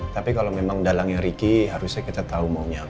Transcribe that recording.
tapi kalau memang dalangnya ricky harusnya kita tahu maunya